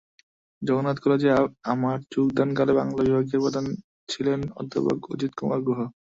জগন্নাথ কলেজে আমার যোগদানকালে বাংলা বিভাগের প্রধান ছিলেন অধ্যাপক অজিত কুমার গুহ।